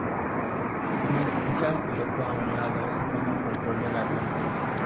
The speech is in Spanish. Homer echa al piloto a un lado y toma el control del avión.